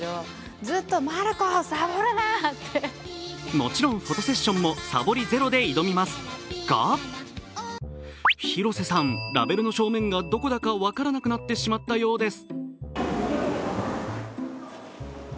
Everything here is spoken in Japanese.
もちろんフォトセッションもさぼりゼロで挑みます、が広瀬さん、ラベルの正面がどこだか分からなくなってしまったようです。